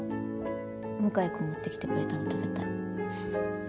向井君持ってきてくれたの食べたい。